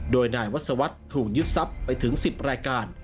โดยนายวัศวรรษถูกยึดทรัพย์ไปถึง๑๐รายการ